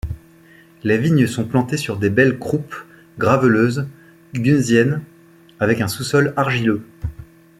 Les vignes sont plantées sur des belles croupes graveleuses günziennes avec un sous-sol argileux.